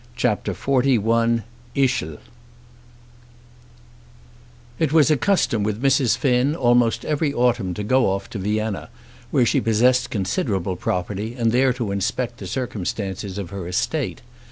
CHAPTER XLI Ischl It was a custom with Mrs. Finn almost every autumn to go off to Vienna, where she possessed considerable property, and there to inspect the circumstances of her estate.